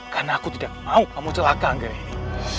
karena aku tidak mau kamu celaka anggaran ini